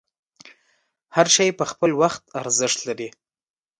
هر شی په خپل وخت ارزښت لري.